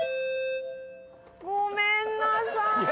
⁉ごめんなさーい！